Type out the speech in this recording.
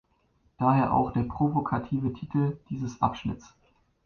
Daher auch der provokative Titel dieses Abschnitts.